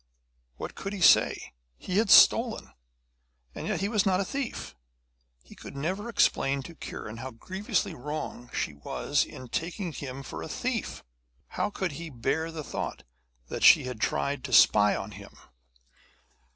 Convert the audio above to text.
What could he say? He had stolen, and yet he was not a thief! He could never explain to Kiran how grievously wrong she was in taking him for a thief; how could he bear the thought that she had tried to spy on him?